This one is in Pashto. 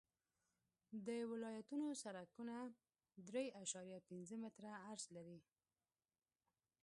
د ولایتونو سرکونه درې اعشاریه پنځه متره عرض لري